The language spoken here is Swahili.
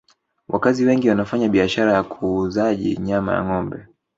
wakazi wengi wanafanya biashara ya kuuzaji nyama ya ngombe